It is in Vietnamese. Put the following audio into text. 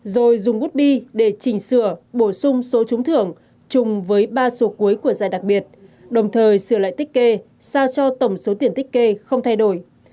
rồi dùng bút bi để chỉnh sửa bổ sung số trúng thưởng chung với ba số cuối của giải đặc biệt đồng thời sửa lại tích kê sao cho tổng số tiền tích kê không thay đổi